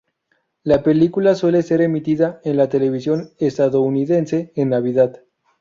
La película suele ser emitida en la televisión estadounidense en Navidad.